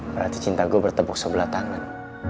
berarti cinta gue bertepuk sebelah tangan